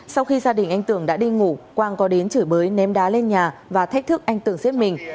sau khi gia đình anh tường đã đi ngủ quang có đến chửi bới ném đá lên nhà và thách thức anh tưởng giết mình